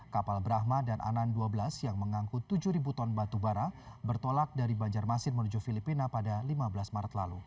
kapal brahma dan anan dua belas yang mengangkut tujuh ton batubara bertolak dari banjarmasin menuju filipina pada lima belas maret lalu